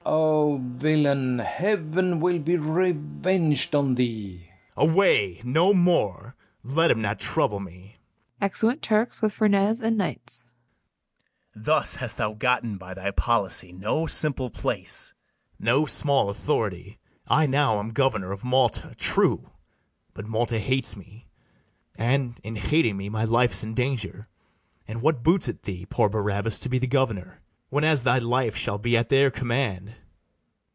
FERNEZE. O villain! heaven will be reveng'd on thee. BARABAS. Away! no more; let him not trouble me. [Exeunt TURKS with FERNEZE and KNIGHTS.] Thus hast thou gotten, by thy policy, No simple place, no small authority: I now am governor of Malta; true, But Malta hates me, and, in hating me, My life's in danger; and what boots it thee, Poor Barabas, to be the governor, Whenas thy life shall be at their command?